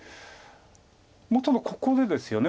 ただここでですよね。